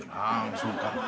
あそうか。